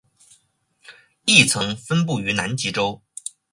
亦曾分布于南极洲。